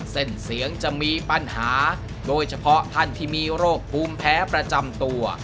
เส้นเสียงจะมีปัญหาโดยเฉพาะท่านที่มีโรคภูมิแพ้ประจำตัว